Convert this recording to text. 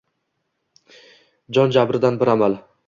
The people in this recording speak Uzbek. Jon jabridan bir amal —